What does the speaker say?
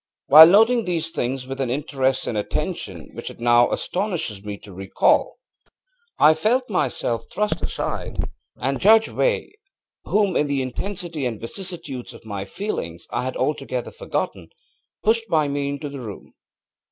ŌĆ£While noting these things with an interest and attention which it now astonishes me to recall I felt myself thrust aside, and Judge Veigh, whom in the intensity and vicissitudes of my feelings I had altogether forgotten, pushed by me into the room.